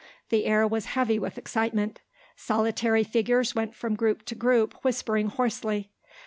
The air was heavy with excitement. Solitary figures went from group to group whispering hoarsely.